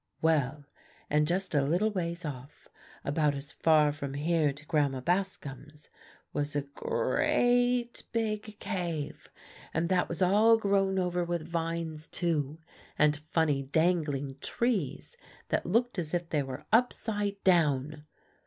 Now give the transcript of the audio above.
Well, and just a little ways off, about as far as from here to Grandma Bascom's, was a gre at big cave. And that was all grown over with vines too, and funny dangling trees that looked as if they were upside down."